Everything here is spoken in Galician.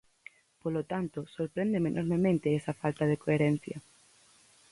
Polo tanto, sorpréndeme enormemente esa falta de coherencia.